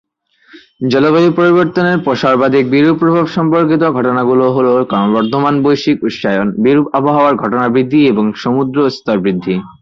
জলবায়ু পরিবর্তনের সর্বাধিক বিরূপ প্রভাব সম্পর্কিত ঘটনাগুলো হলো ক্রমবর্ধমান বৈশ্বিক উষ্ণায়ন, বিরূপ আবহাওয়ার ঘটনা বৃদ্ধি এবং সমুদ্রের স্তর বৃদ্ধি।